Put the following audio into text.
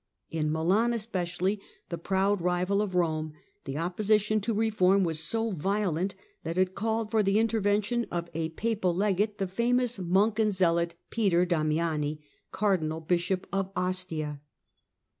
In Milan especially, the proud rival of Eome, the opposition to reform was so violent that it called for the intervention of a papal legate, the famous monk and zealot, Peter Damiani, cardinal bishop of Ostia.